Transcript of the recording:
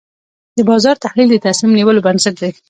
د بازار تحلیل د تصمیم نیولو بنسټ دی.